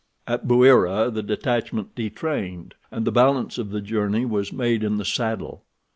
At Bouira the detachment detrained, and the balance of the journey was made in the saddle.